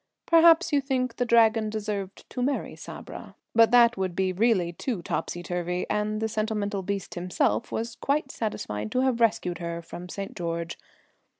Perhaps you think the Dragon deserved to marry Sabra, but that would be really too topsy turvy, and the sentimental beast himself was quite satisfied to have rescued her from St. George.